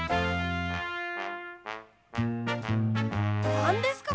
なんですか？